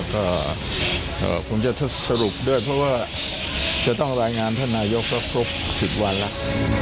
ก็ผมจะสรุปด้วยเพราะว่าจะต้องรายงานท่านนายกก็ครบ๑๐วันแล้ว